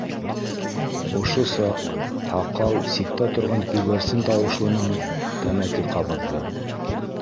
Ошо саҡ һаҡау ситтә торған күгәрсен тауышлынан тәмәке ҡабыҙҙы